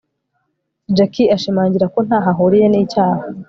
Jack ashimangira ko ntaho ahuriye nicyaha